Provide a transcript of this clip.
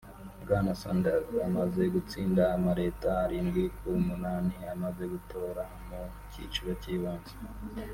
Bwana Sanders amaze gutsinda amaleta arindwi ku munani amaze gutora mu cyiciro cy'ibanze